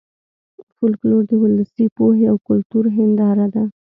فولکلور د ولسي پوهې او کلتور هېنداره ده